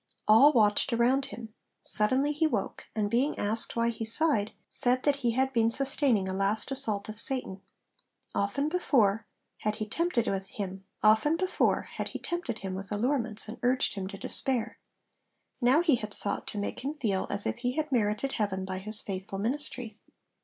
All watched around him. Suddenly he woke, and being asked why he sighed, said that he had been sustaining a last 'assault of Satan.' Often before had he tempted him with allurements, and urged him to despair. Now he had sought to make him feel as if he had merited heaven by his faithful ministry.